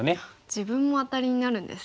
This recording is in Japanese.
自分もアタリになるんですね。